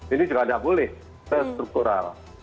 ini juga tidak boleh restruktural